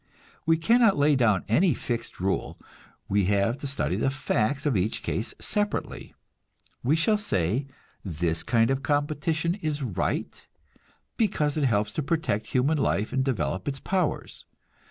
We cannot lay down any fixed rule; we have to study the facts of each case separately. We shall say, this kind of competition is right, because it helps to protect human life and to develop its powers.